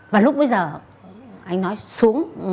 và lúc bây giờ anh nói xuống